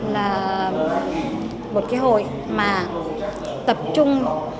là một cái hội mà tập trung